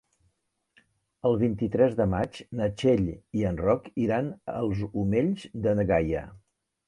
El vint-i-tres de maig na Txell i en Roc iran als Omells de na Gaia.